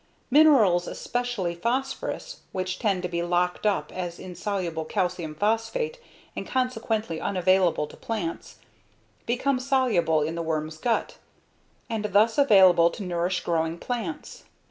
Minerals, especially phosphorus which tends to be locked up as insoluble calcium phosphate and consequently unavailable to plants, become soluble in the worm's gut, and thus available to nourish growing plants.